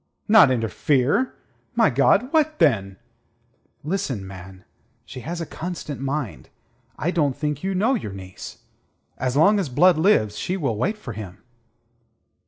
"Not interfere? My God, what, then?" "Listen, man. She has a constant mind. I don't think you know your niece. As long as Blood lives, she will wait for him."